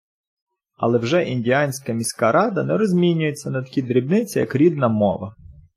Але вже індіанська міськрада не розмінюється на такі дрібниці, як рідна мова.